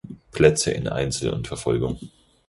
Plätze in Einzel und Verfolgung.